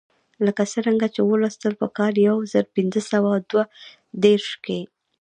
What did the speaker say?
لکه څرنګه چې ولوستل په کال یو زر پنځه سوه دوه دېرش کې.